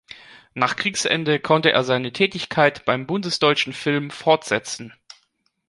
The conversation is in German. Nach Kriegsende konnte er seine Tätigkeit beim bundesdeutschen Film fortsetzen.